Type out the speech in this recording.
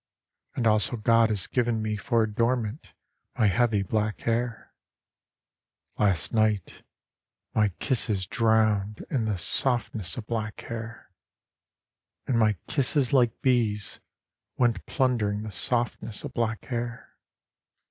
And also God has given me for adornment my heavy black hair. — Last night my kisses drowned in the softness of black hair. And my kisses like bees went plundering the softness of black hair.